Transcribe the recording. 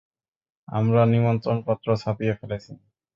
আমরা নিমন্ত্রণপত্র ছাপিয়ে ফেলেছি।